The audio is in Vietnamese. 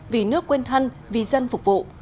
vì nước quên thân vì dân phục vụ